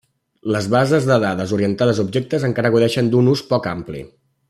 Les bases de dades orientades a objectes encara gaudeixen d'un ús poc ampli.